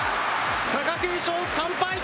貴景勝、３敗。